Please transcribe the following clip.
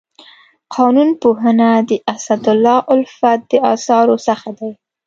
قانون پوهنه د اسدالله الفت د اثارو څخه دی.